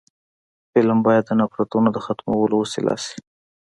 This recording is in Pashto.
فلم باید د نفرتونو د ختمولو وسیله شي